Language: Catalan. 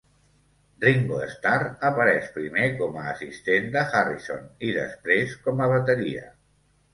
Ringo Starr apareix primer com a "assistent" de Harrison i, després, com a bateria.